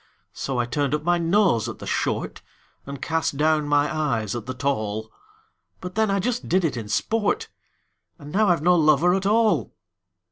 So I turned up my nose at the short, And cast down my eyes at the tall; But then I just did it in sport And now I've no lover at all!